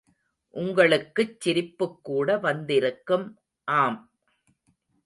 உங்களுக்குச் சிரிப்புக்கூட வந்திருக்கும் ஆம்.